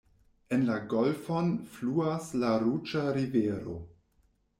En la golfon fluas la ruĝa rivero.